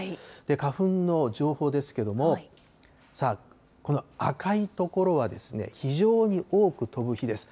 花粉の情報ですけども、さあ、この赤い所はですね、非常に多く飛ぶ日です。